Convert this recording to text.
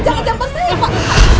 jangan jambah saya pak